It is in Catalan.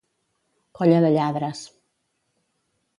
Colla de lladres.